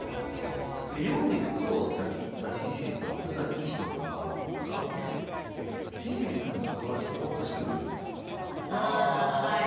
読んでいくと、さっき言った聖さんはただいい人なのかなと思ったら聖さんに関わる人がおかしくなるのかなとか。